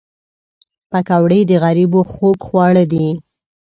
پکورې د غریبو خوږ خواړه دي